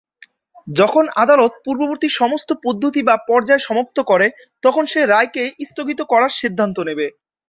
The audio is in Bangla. যখন আদালত পূর্ববর্তী সমস্ত পদ্ধতি বা পর্যায় সমাপ্ত করে, তখন সে রায়কে স্থগিত করার সিদ্ধান্ত নেবে।